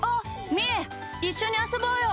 いっしょにあそぼうよ。